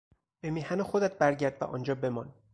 به میهن خودت برگرد و آنجا بمان!